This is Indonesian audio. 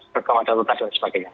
kekuatan daerah dan sebagainya